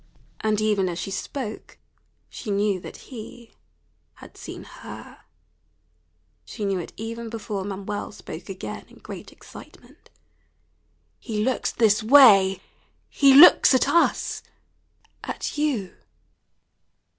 And even as she spoke she knew that he had seen her; she knew it even before Manuel spoke again in great excitement. "He looks this way he looks at us at you."